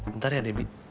bentar ya debbie